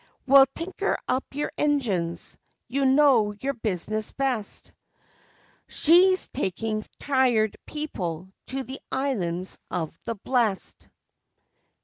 Well, tinker up your engines you know your business best She's taking tired people to the Islands of the Blest!